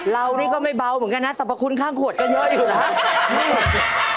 เรานี่ก็ไม่เบาเหมือนกันนะสรรพคุณข้างขวดก็เยอะอยู่นะครับ